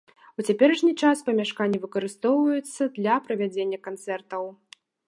У цяперашні час памяшканні выкарыстоўваюцца для правядзення канцэртаў.